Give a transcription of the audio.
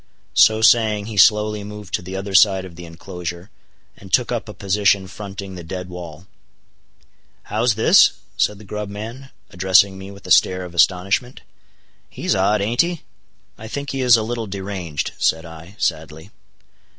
So saying he slowly moved to the other side of the inclosure, and took up a position fronting the dead wall. "How's this?" said the grub man, addressing me with a stare of astonishment. "He's odd, aint he?" "I think he is a little deranged," said I, sadly.